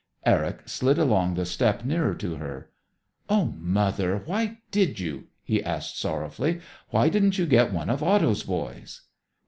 Eric slid along the step nearer to her. "Oh, Mother, why did you?" he asked sorrowfully. "Why didn't you get one of Otto's boys?"